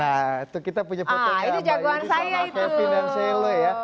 nah itu kita punya fotonya mbak yudi sama kevin dan selo ya